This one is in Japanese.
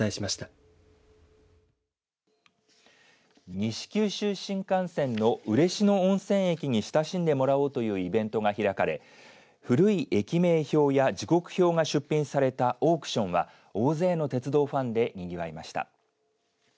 西九州新幹線の嬉野温泉駅に親しんでもらおうというイベントが開かれ古い駅名標や時刻表が出品されたオークションが大勢の鉄道ファンでにぎわいました。